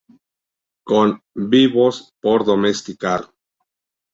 Con "¡Vivos... por domesticar!